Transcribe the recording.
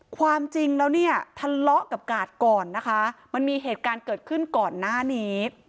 ความจริงแล้วเนี่ยทะเลาะกับกาดก่อนนะคะมันมีเหตุการณ์เกิดขึ้นก่อนหน้านี้